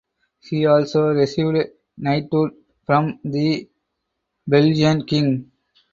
He also received knighthood from the Belgian King.